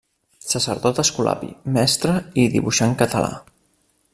Sacerdot escolapi, mestre i dibuixant català.